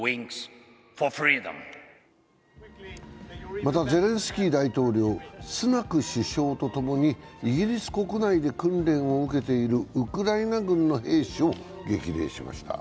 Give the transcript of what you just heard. また、ゼレンスキー大統領、スナク首相と共にイギリス国内で訓練を受けているウクライナ軍の兵士を激励しました。